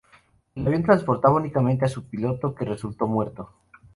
El avión transportaba únicamente a su piloto, que resultó muerto.